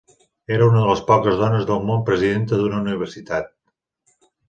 Era una de les poques dones del món presidenta d'una universitat.